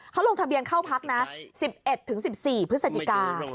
เขาลงทะเบียนเข้าพักนะ๑๑๑๔พฤศจิกา